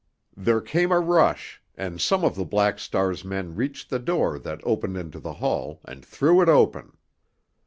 There came a rush, and some of the Black Star's men reached the door that opened into the hall and threw it open.